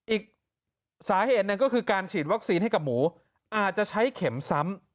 อีกสาเหตุหนึ่งก็คือการฉีดวัคซีนให้กับหมูอาจจะใช้เข็มซ้ำ